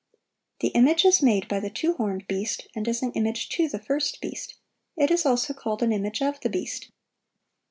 The image is made by the two horned beast, and is an image to the first beast. It is also called an image of the beast.